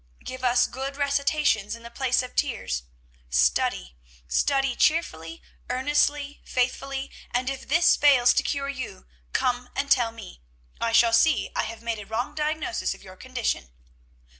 Give us good recitations in the place of tears. Study study cheerfully, earnestly, faithfully, and if this fails to cure you, come and tell me. I shall see I have made a wrong diagnosis of your condition."